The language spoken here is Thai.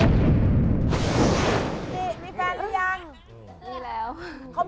สิมีแฟนกันอย่าง